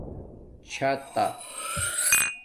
چھاتہ